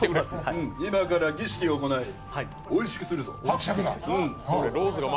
今から儀式を行いおいしくするぞ。